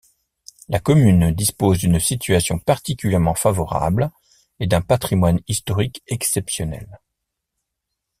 La commune dispose d'une situation particulièrement favorable et d'un patrimoine historique exceptionnel.